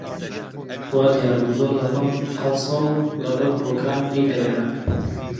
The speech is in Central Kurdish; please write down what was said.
وا دیار بوو زۆر لە من قەڵسە و لەبەر بۆکان نەیدەوێرا